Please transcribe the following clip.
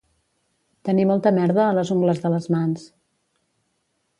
Tenir molta merda a les ungles de les mans